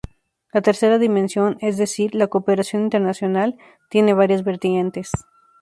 La tercera dimensión, es decir, la cooperación internacional, tiene varias vertientes.